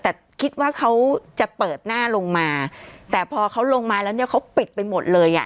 แต่คิดว่าเขาจะเปิดหน้าลงมาแต่พอเขาลงมาแล้วเนี่ยเขาปิดไปหมดเลยอ่ะ